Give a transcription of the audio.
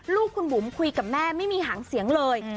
ลูกคุณบุ๋มคุยกับแม่ไม่มีหางเสียงเลย